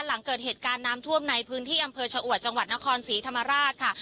หลังเกิดเหตุการณ์น้ำท่วมในพื้นที่อำเภอชะอวดจังหวัดนครศรีธรรมราชค่ะ